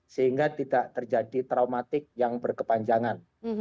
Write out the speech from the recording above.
sehingga tidak terjadi traumatik yang berkepanjangan